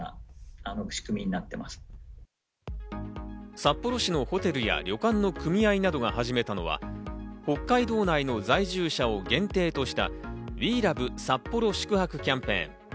札幌市のホテルや旅館の組合などが始めたのは北海道内の在住者を限定としたＷｅＬｏｖｅ札幌宿泊キャンペーン。